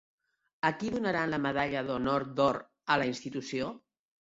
A qui donaran la medalla d'honor d'or a la institució?